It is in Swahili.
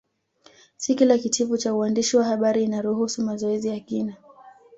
Si kila Kitivo cha uandishi wa habari inaruhusu mazoezi ya kina